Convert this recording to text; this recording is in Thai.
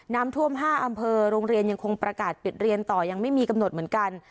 น้ำท่วม๕อำเภอโรงเรียนยังคงประกาศปิดเรียนต่อยังไม่มีกำหนดเหมือนกัน